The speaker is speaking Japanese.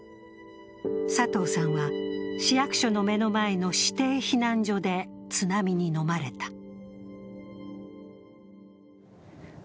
佐藤さんは市役所の目の前の指定避難所で津波にのまれた。